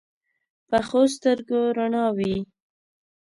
پخو سترګو رڼا وي